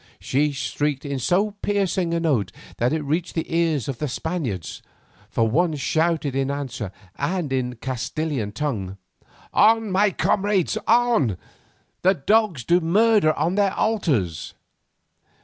she shrieked in so piercing a note that it reached the ears of the Spaniards, for one shouted in answer and in the Castilian tongue, "On, my comrades, on! The dogs do murder on their altars!"